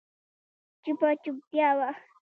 چوپه چوپتيا وه.